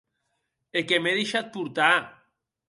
Que m'è deishat portar!